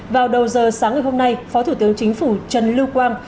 vào đầu giờ sáng ngày hôm nay phó thủ tướng chính phủ trần lưu quang